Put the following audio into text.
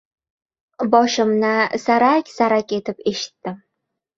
Boshimni sarak-sarak etib eshitdim.